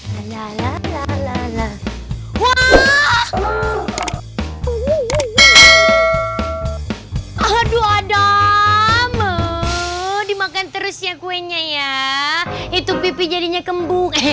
lalalalalalalala waaah aduh adam dimakan terus ya kuenya ya itu pipi jadinya kembung